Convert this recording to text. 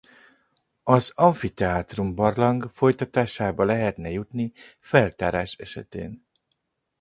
Az Amfiteátrum-barlang folytatásába lehetne jutni feltárás esetén.